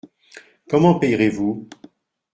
Comment payerez-vous ?